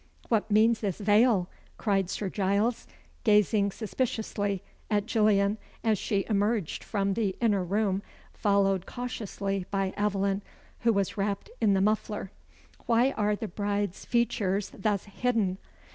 "What means this veil?" cried Sir Giles, gazing suspiciously at Gillian as she emerged from the inner room, followed cautiously by Aveline, who was wrapped in the muffler. "Why are the bride's features thus hidden?"